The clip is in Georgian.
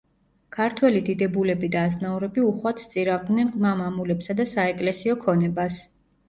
ქართველი დიდებულები და აზნაურები უხვად სწირავდნენ ყმა–მამულებსა და საეკლესიო ქონებას.